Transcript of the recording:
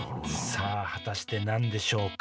さあ果たして何でしょうか？